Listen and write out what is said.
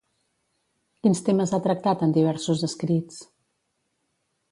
Quins temes ha tractat en diversos escrits?